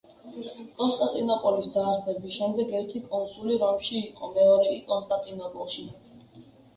კონსტანტინოპოლის დაარსების შემდეგ ერთი კონსული რომში იყო მეორე კი კონსტანტინოპოლში.